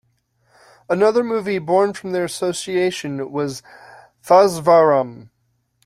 Another movie born from their association was "Thazhvaram".